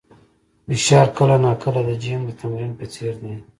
فشار کله ناکله د جیم د تمرین په څېر دی.